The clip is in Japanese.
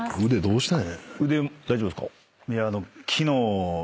腕大丈夫ですか？